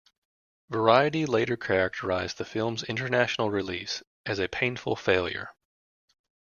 "Variety" later characterized the film's international release as "a painful failure".